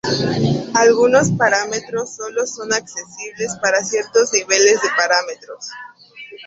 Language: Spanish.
Algunos parámetros solo son accesibles para ciertos niveles de parámetros.